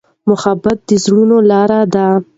محبت د زړونو لاره ده.